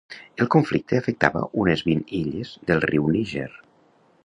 El conflicte afectava unes vint illes del riu Níger.